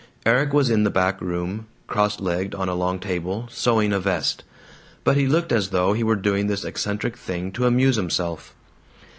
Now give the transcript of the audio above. Erik was in the back room, cross legged on a long table, sewing a vest. But he looked as though he were doing this eccentric thing to amuse himself.